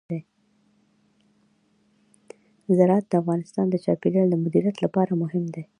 زراعت د افغانستان د چاپیریال د مدیریت لپاره مهم دي.